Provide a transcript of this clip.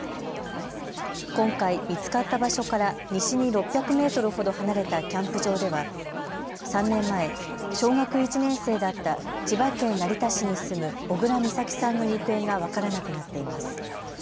今回、見つかった場所から西に６００メートルほど離れたキャンプ場では３年前、小学１年生だった千葉県成田市に住む小倉美咲さんの行方が分からなくなっています。